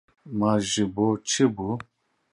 Ma ji bo çi bû?